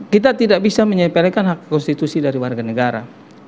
kita tidak bisa menyebelahkan hak konstitusi dari warga negara